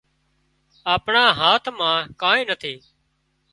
آپڻا هاٿ مان ڪانئين نٿي